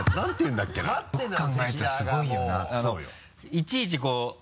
いちいちこう。